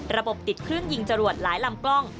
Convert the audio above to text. ติดเครื่องยิงจรวดหลายลำกล้อง